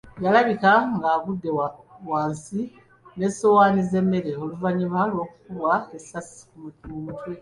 Yalabika ng’agudde wansi n’essowaani z’emmere oluvannyuma lw’okukubwa essasi mu mutwe.